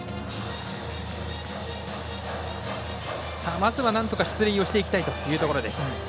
まずはなんとか出塁をしていきたいというところです。